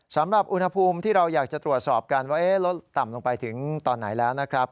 สำหรับอุณหภูมิที่เราอยากจะตรวจสอบกันว่าลดต่ำลงไปถึงตอนไหนแล้วนะครับ